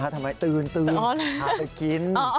ทำไมตื่นพาไปกิน